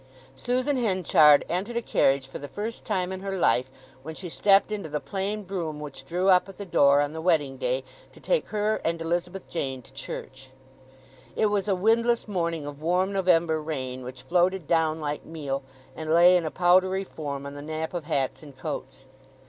Susan Henchard entered a carriage for the first time in her life when she stepped into the plain brougham which drew up at the door on the wedding day to take her and Elizabeth Jane to church. It was a windless morning of warm November rain, which floated down like meal, and lay in a powdery form on the nap of hats and coats.